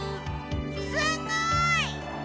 すごーい！